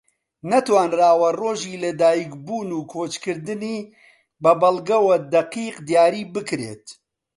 نەتوانراوە ڕۆژی لە دایک بوون و کۆچکردنی بە بەڵگەوە دەقیق دیاری بکرێت